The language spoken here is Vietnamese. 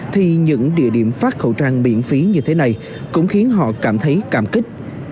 thì những địa điểm phát khẩu trang miễn phí như thế này cũng khiến họ cảm thấy cảm kích